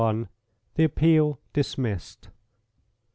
THE APPEAL DISMISSED.